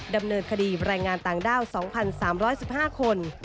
ดำเนินคดีแรงงานต่างด้าว๒๓๑๕คน